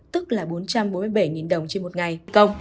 tức là bốn trăm bốn mươi bảy đồng trên một ngày công